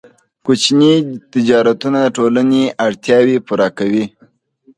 کوچني تجارتونه د ټولنې اړتیاوې پوره کوي.